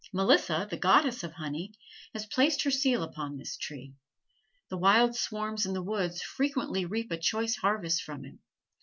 Melissa, the goddess of honey, has placed her seal upon this tree. The wild swarms in the woods frequently reap a choice harvest from it.